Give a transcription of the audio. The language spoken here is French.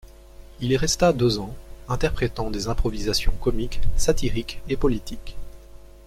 Il y resta deux ans, interprétant des improvisations comiques satiriques et politiques.